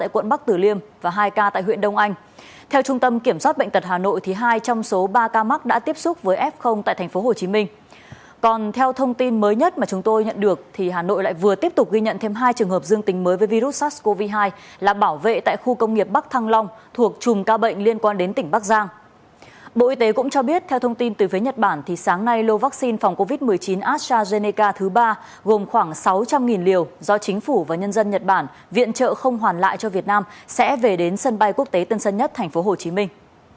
quy tế cũng cho biết theo thông tin từ phía nhật bản thì sáng nay lô vaccine phòng covid một mươi chín astrazeneca thứ ba gồm khoảng sáu trăm linh liều do chính phủ và nhân dân nhật bản viện trợ không hoàn lại cho việt nam sẽ về đến sân bay quốc tế tân sân nhất thành phố hồ chí minh